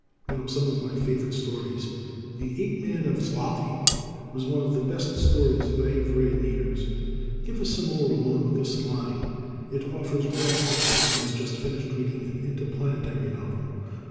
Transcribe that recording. Now some of my favorite stories. "The Ape Men Of Xlotli" was one of the best stories that I have read in years. Give us some more along this line. It offers rest after one has just finished reading an interplanetary novel.